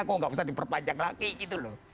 kok nggak bisa diperpanjang lagi gitu loh